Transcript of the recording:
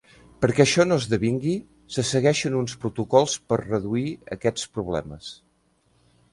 Perquè això no esdevingui, se segueixen uns protocols per reduir aquests problemes.